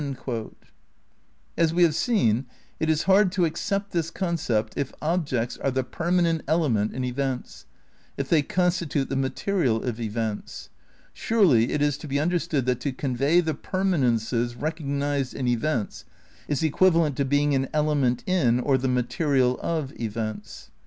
As we have seen, it is hard to accept this concept if objects are the permanent element in events; if they constitute the material of events. Surely it is to be understood that to '' convey the permanences recognised in events" is equivalent to being an "element in" or the "material of" events.